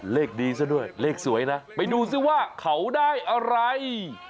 เลขดีซะด้วยเลขสวยนะไปดูซิว่าเขาได้อะไร